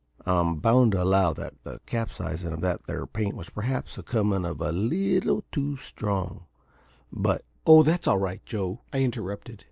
I'm boun' to allow that the capsizin' of that there paint was perhaps a comin' of it a leetle too strong; but " "Oh, that's all right, Joe," I interrupted.